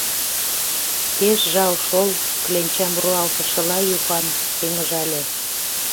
— Пеш жал шол! — кленчам руалтышыла Юхан пеҥыжале.